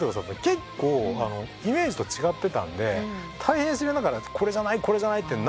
結構イメージと違ってたんで大変失礼ながらこれじゃないこれじゃないって何度もやって。